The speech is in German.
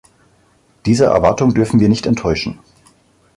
Dieser Erwartung dürfen wir nicht enttäuschen.